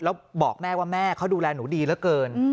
แล้วบอกแม่ว่าแม่เขาดูแลหนูดีเหลือเกิน